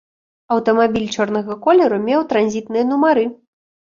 Аўтамабіль чорнага колеру меў транзітныя нумары.